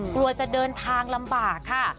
กลัวจะเดินทางลำบากค่ะ